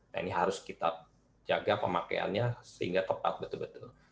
nah ini harus kita jaga pemakaiannya sehingga tepat betul betul